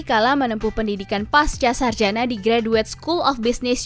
kala menempuh pendidikan pasca sarjana di graduate school of business